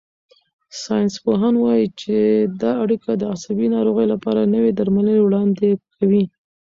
ساینسپوهان وايي چې دا اړیکه د عصبي ناروغیو لپاره نوي درملنې وړاندې کوي.